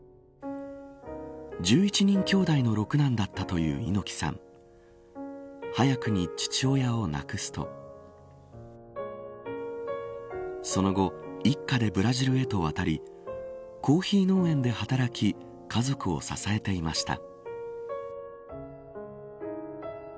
１１人兄弟の６男だったという猪木さん早くに父親を亡くすとその後、一家でブラジルへと渡りコーヒー農園で働き家族を支えていました。